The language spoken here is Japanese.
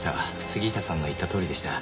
杉下さんの言ったとおりでした。